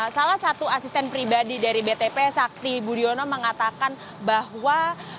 salah satu asisten pribadi dari btp sakti budiono mengatakan bahwa